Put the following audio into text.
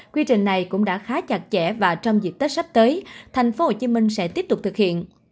quy trình này cũng đã khá chặt chẽ và trong dịp tết sắp tới tp hcm sẽ tiếp tục thực hiện